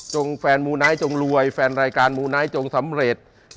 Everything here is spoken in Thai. แฟนมูไนท์จงรวยแฟนรายการมูไนท์จงสำเร็จ